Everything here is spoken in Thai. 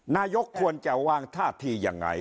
นายกควรจะวางท่าทียังไง